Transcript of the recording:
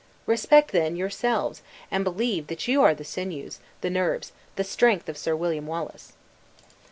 Respect then yourselves; and believe that you are the sinews, the nerves, the strength of Sir William Wallace!"